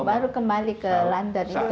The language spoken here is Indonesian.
baru kembali ke london